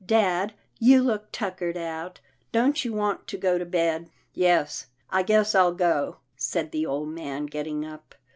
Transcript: " Dad, you look tuckered out. Don't. you want to go to bed? "" Yes, I guess I'll go," said the old man getting up.